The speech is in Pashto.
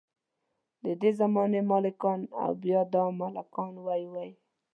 ددې زمانې ملکان او بیا دا ملکان وۍ وۍ.